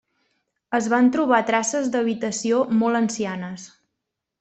Es van trobar traces d'habitació molt ancianes.